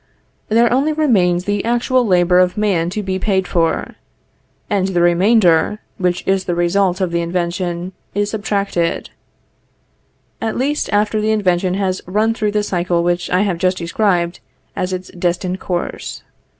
There only remains the actual labor of man to be paid for; and the remainder, which is the result of the invention, is subtracted; at least after the invention has run through the cycle which I have just described as its destined course.